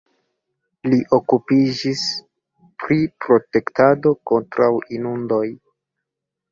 Li okupiĝis pri protektado kontraŭ inundoj.